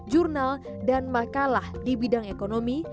jurnal dan makalah di bidang ekonomi